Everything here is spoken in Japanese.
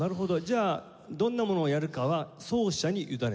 じゃあどんなものをやるかは奏者に委ねている？